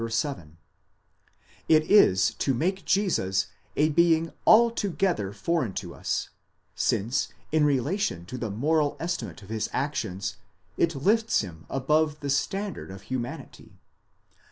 7): it is to make Jesus a being altogether foreign to us, since in relation to the moral estimate of his actions, it lifts him above the standard of humanity.